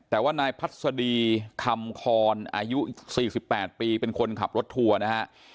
แต่ว่านายพัศดีคำคอนอายุ๔๘ปีเป็นคนขับรถทัวร์นะฮะ